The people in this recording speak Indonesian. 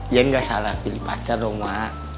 ya gak salah pilih pacar dong ma